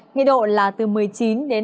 nhiệt độ là từ một mươi chín đến hai mươi sáu độ